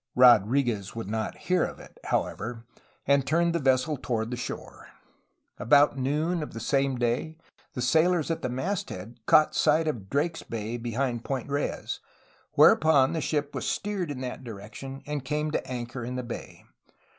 Rodriguez would not hear of it, however, and turned the vessel toward the shore. About noon of the same day the sailors at the mast head caught sight of Drake's Bay be hind Point Reyes, whereupon the ship was steered in that direction and came to anchor in the bay.